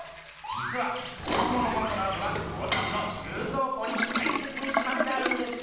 じつは本ものの「虎図」はこっちの収蔵庫にたいせつにしまってあるんです。